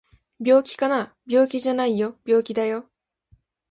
病気かな？病気じゃないよ病気だよ